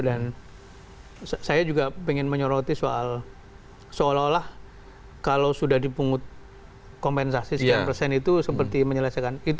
dan saya juga ingin menyoroti soal seolah olah kalau sudah dipungut kompensasi sekian persen itu seperti menyelesaikan